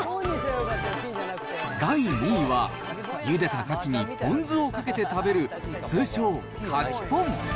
第２位は、ゆでたカキにポン酢をかけて食べる通称、カキポン。